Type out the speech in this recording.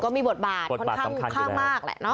ก็มีบทบาทค่อนข้างมากแหละ